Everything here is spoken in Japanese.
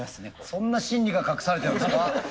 そんな心理が隠されてるんですか？